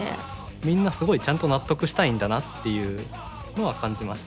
みんなすごいちゃんと納得したいんだなっていうのは感じましたね。